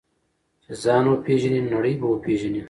چې ځان وپېژنې، نړۍ به وپېژنې.